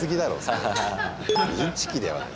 インチキではない。